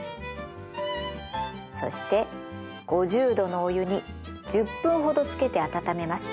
そして５０℃のお湯に１０分ほど浸けて温めます。